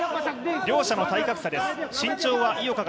両者の体格差です。